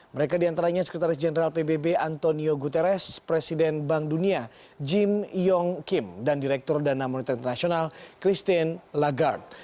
mereka diantaranya sekretaris jenderal pbb antonio guterres presiden bank dunia jim yong kim dan direktur dana monitor internasional christine lagarde